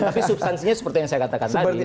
tapi substansinya seperti yang saya katakan tadi